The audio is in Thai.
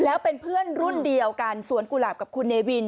แล้วเป็นเพื่อนรุ่นเดียวกันสวนกุหลาบกับคุณเนวิน